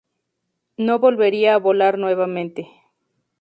No volvería a volar nuevamente.